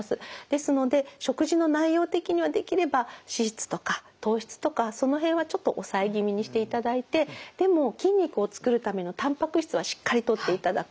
ですので食事の内容的にはできれば脂質とか糖質とかその辺はちょっと抑え気味にしていただいてでも筋肉を作るためのたんぱく質はしっかりとっていただく。